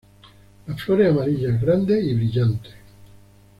Las flores amarillas grandes y brillantes.